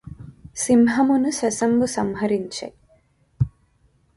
సింహమును శశంబు సంహరించె